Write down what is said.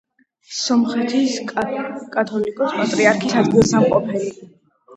სომხეთის კათოლიკოს-პატრიარქის ადგილსამყოფელი.